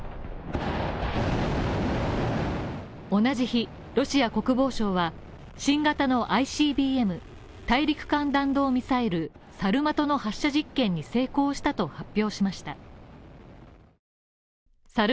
同じ日、ロシア国防省は新型のＩＣＢＭ＝大陸間弾道ミサイル「サルマト」の発射実験に成功したと発表しました。